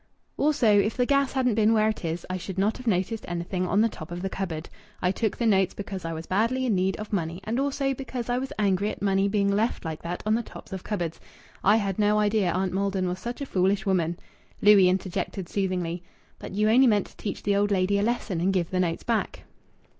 "'Also, if the gas hadn't been where it is, I should not have noticed anything on the top of the cupboard. I took the notes because I was badly in need of money, and also because I was angry at money being left like that on the tops of cupboards. I had no idea Aunt Maldon was such a foolish woman.'" Louis interjected soothingly: "But you only meant to teach the old lady a lesson and give the notes back."